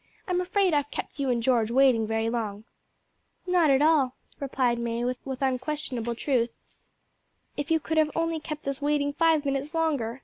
I'm afraid I've kept you and George waiting very long." "Not at all," replied May, with unquestionable truth. "If you could have only kept us waiting five minutes longer!"